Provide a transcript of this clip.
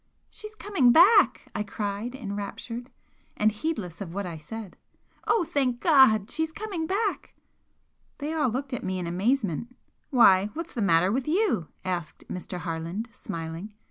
"She's coming back!" I cried, enraptured, and heedless of what I said "Oh, thank God! She's coming back!" They all looked at me in amazement. "Why, what's the matter with you?" asked Mr. Harland, smiling.